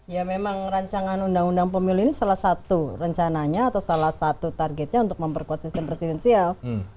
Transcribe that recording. ya memang rancangan undang undang pemilu ini salah satu rencananya atau salah satu targetnya untuk memperkuat sistem presidensial